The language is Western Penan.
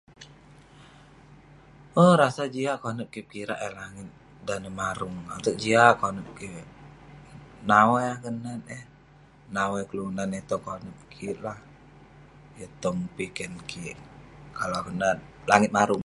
owk..rasa jiak konep kik pekirak eh langit dan neh marung, ateg jiak konep kik nawai akouk menat eh, nawai kelunan eh tong konep kik lah, yah tong piken kik, kalau akouk nat langit marung.